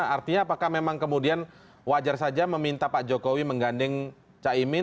artinya apakah memang kemudian wajar saja meminta pak jokowi menggandeng caimin